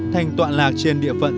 thành toạn lạc trên địa phận